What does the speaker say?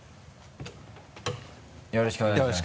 よろしくお願いします。